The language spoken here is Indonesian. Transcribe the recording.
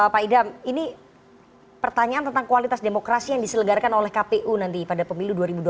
pak idam ini pertanyaan tentang kualitas demokrasi yang diselenggarakan oleh kpu nanti pada pemilu dua ribu dua puluh